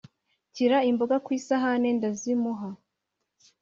Nshyira imboga kw’isahane ndazimuha